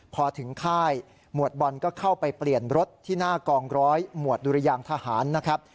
พอถึงค่ายหมวดบอลก็เข้าไปเปลี่ยนรถที่หน้ากองร้อยหมวดดุรยางทหารนะครับ